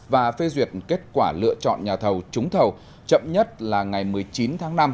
và phê duyệt kết quả lựa chọn nhà thầu trúng thầu chậm nhất là ngày một mươi chín tháng năm